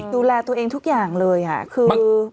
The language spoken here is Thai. ดูแลตัวเองทุกอย่างเลยคือ